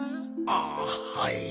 ああはい。